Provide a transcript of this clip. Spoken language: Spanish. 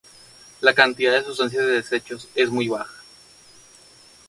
La cantidad de sustancias de desecho es muy baja.